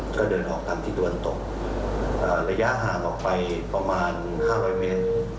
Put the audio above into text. ก็เดินออกทางที่ตะวันตกระยะห่างออกไปประมาณ๕๐๐เมตร